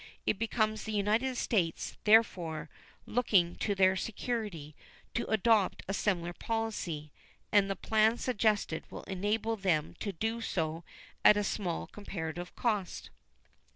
It becomes the United States, therefore, looking to their security, to adopt a similar policy, and the plan suggested will enable them to do so at a small comparative cost.